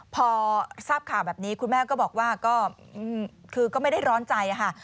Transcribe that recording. พอทราบข่าวแบบนี้คุณแม่ก็บอกว่าก็คือก็ไม่ได้ร้อนใจค่ะ